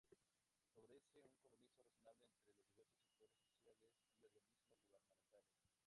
Favorece un compromiso razonable entre los diversos sectores sociales y organismos gubernamentales.